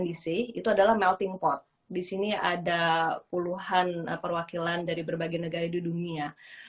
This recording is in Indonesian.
dc itu adalah melting pot di sini ada puluhan perwakilan dari berbagai negara di dunia